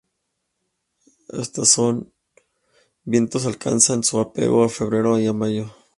Estos vientos alcanzan su apogeo en febrero a mayo.